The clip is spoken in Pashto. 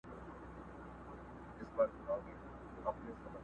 چي مي د اوښکو لاره ستړې له ګرېوانه سوله٫